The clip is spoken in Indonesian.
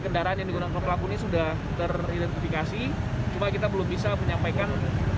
kendaraan yang digunakan pelaku ini sudah teridentifikasi cuma kita belum bisa menyampaikan